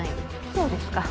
そうですか。